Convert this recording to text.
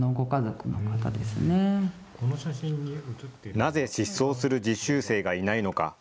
なぜ失踪する実習生がいないのか。